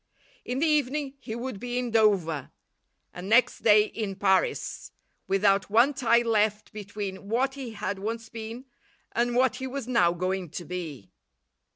In the evening he would be in Dover, and next day in Paris, without one tie left between what he had once been and what he was now going to be.